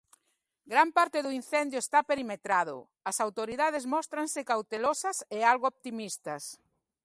Gran parte do incendio está perimetrado, as autoridades móstranse cautelosas e algo optimistas.